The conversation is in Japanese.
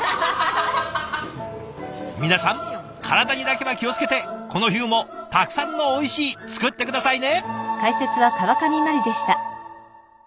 皆さん体にだけは気を付けてこの冬もたくさんの「おいしい」作って下さいね！